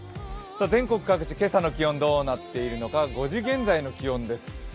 全国各地、今朝の気温がどうなっているのか、５時現在の気温です。